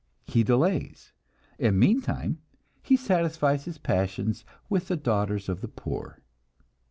He delays, and meantime he satisfies his passions with the daughters of the poor.